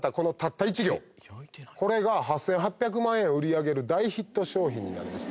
これが８８００万円を売り上げる大ヒット商品になりました。